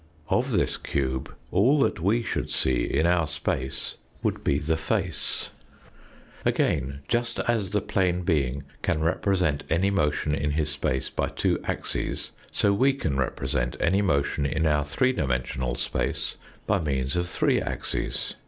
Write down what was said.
Of this cube all that we should see in our space would be the face THE ANALOGY OF A PLANE WORLD 11 Again, just as the plane being can represent any motion in his space by two axes, so we can represent any motion in our three dimensional space by means of three axes.